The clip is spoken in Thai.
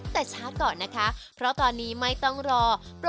แต่ช้าก่อนนะคะเพราะตอนนี้ไม่ต้องรอ